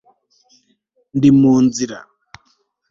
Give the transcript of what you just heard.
Ndi mu nzira